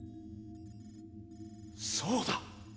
そうだ！